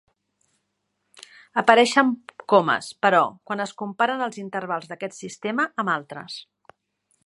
Apareixen comes, però, quan es comparen els intervals d'aquest sistema amb altres.